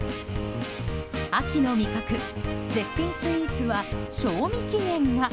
秋の味覚、絶品スイーツは賞味期限が。